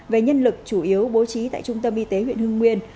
về nhân lực chủ yếu bố trí tại trung tâm y tế huyện hưng nguyên